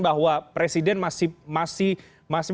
bahwa presiden masih